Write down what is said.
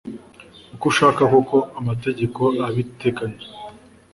uko ashaka kuko amategeko arabiteganya